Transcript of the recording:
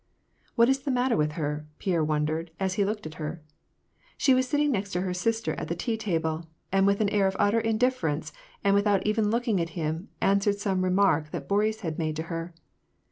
" What is the matter with her ?" Pierre wondered, as he looked at her. She Avas sitting next her sister at the tea table, and with an air of utter indifference, and without even look ing at him, answered some remark that Boris had made to her.